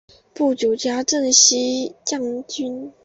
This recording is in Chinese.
不久加征西将军。